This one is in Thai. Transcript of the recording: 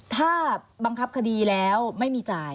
ถ้าบังคับคดีแล้วไม่มีจ่าย